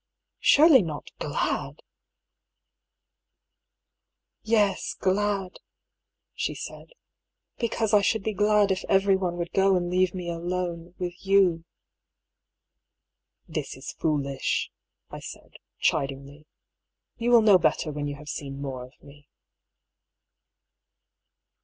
" Surely not glad f " "Yes, ^Zflrf," she said. " Because I should be glad if everyone would go and leave me alone— with you." "This is foolish," I said, chidingly. "You will know better when you have seen more of me."